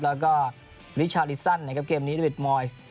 แล้วก็วิชาลิซันนะครับเกมนี้ด้วยวิทมอยส์